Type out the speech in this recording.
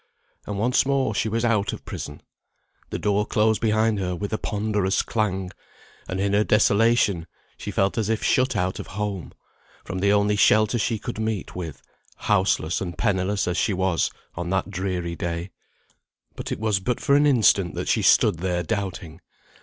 And once more she was out of prison. The door closed behind her with a ponderous clang, and in her desolation she felt as if shut out of home from the only shelter she could meet with, houseless and pennyless as she was, on that dreary day. But it was but for an instant that she stood there doubting.